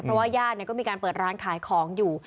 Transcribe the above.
เพราะว่าญาติก็มีการเปิดร้านขายของอยู่